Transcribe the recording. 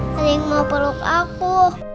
ada yang mau peluk aku